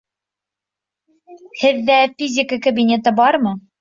Һеҙҙә физика кабинеты бармы?